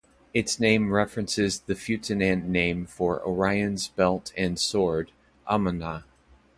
Its name references the Futunan name for Orion's belt and sword, "Amonga".